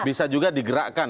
bisa juga digerakkan